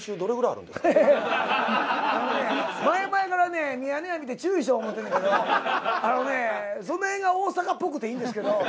あのね、前々からね、ミヤネ屋を見て、注意しようと思うんですけど、あのね、そのへんが大阪っぽくていいんですけど。